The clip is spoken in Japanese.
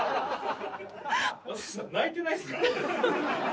泣いてないですか？